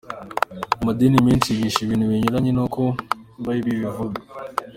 Amadini menshi yigisha ibintu binyuranye nuko bible ivuga.